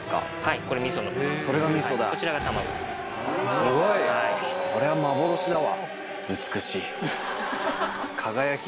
すごい！これは幻だわ。